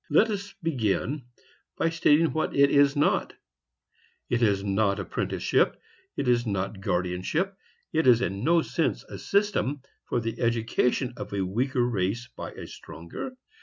Let us begin by stating what it is not. 1. It is not apprenticeship. 2. It is not guardianship. 3. It is in no sense a system for the education of a weaker race by a stronger.